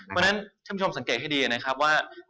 เพราะฉะนั้นท่านผู้ชมสังเกตให้ดีนะครับว่า